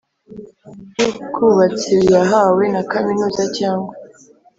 By ubwubatsi yahawe na kaminuza cyangwa